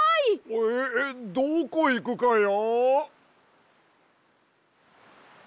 えどこいくかや？